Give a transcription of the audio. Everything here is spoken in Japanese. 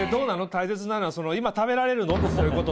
大切なのは「今食べられるの？」ってそういうこと。